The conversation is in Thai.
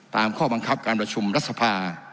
ข้อบังคับการประชุมรัฐสภา